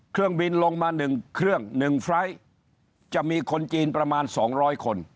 เครื่องบินลงมาหนึ่งเครื่องหนึ่งไฟล์จะมีคนจีนประมาณสองร้อยคน